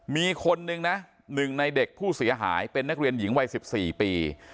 มีคนนึงนะหนึ่งในเด็กผู้เสียหายเป็นนักเรียนหญิงวัย๑๔ปี